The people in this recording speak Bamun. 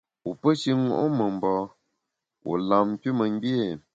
Wu pe shi ṅo’ memba, wu lam nkümengbié ?